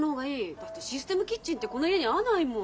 だってシステムキッチンってこの家に合わないもん。